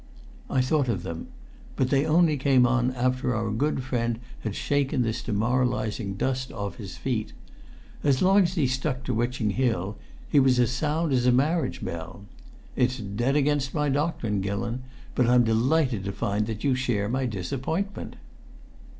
"I thought of them. But they only came on after our good friend had shaken this demoralising dust off his feet. As long as he stuck to Witching Hill he was as sound as a marriage bell! It's dead against my doctrine, Gillon, but I'm delighted to find that you share my disappointment."